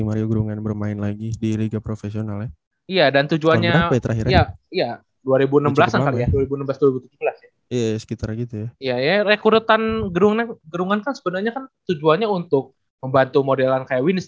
mario gerungan kan kemarin udah resmi ke hawks